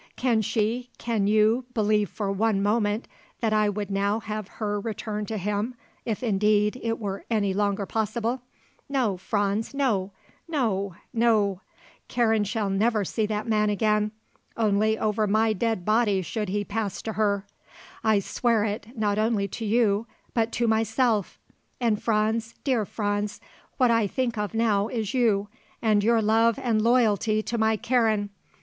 Can she can you, believe for one moment that I would now have her return to him, if, indeed, it were any longer possible? No, Franz; no; no; no; Karen shall never see that man again. Only over my dead body should he pass to her. I swear it, not only to you, but to myself. And Franz, dear Franz, what I think of now is you, and your love and loyalty to my Karen.